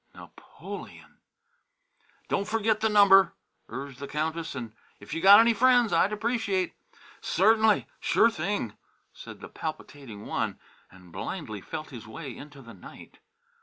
Napoleon! "Don't furgit the number," urged the Countess, "an' if you got any friends, I'd appreciate " "Certainly! Sure thing!" said the palpitating one, and blindly felt his way into the night.